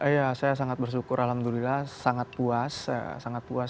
iya saya sangat bersyukur alhamdulillah sangat puas